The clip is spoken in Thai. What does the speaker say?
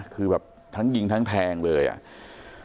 คือแบบทั้งยิงทั้งแทงเลยอ่ะ